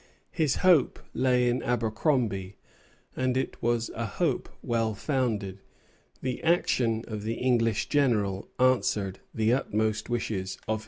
His hope lay in Abercromby; and it was a hope well founded. The action of the English general answered the utmost wishes of his enemy.